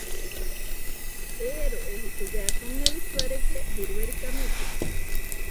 އޭރު އެހިތުގައި ކޮންމެވެސް ވަރެއްގެ ބިރުވެރިކަމެއްވި